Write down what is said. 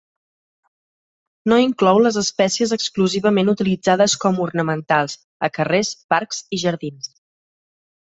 No inclou les espècies exclusivament utilitzades com ornamentals, a carrers, parcs i jardins.